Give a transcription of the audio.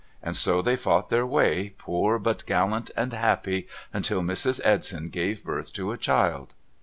And so they fought their way, poor but gallant and happy, until Mrs. Edson gave birth to a child.'